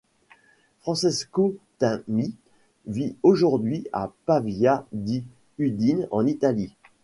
Francesco Tami vit aujourd'hui à Pavia di Udine, en Italie.